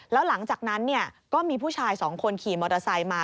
แล้วหลังจากนั้นก็มีผู้ชายสองคนขี่มอเตอร์ไซค์มา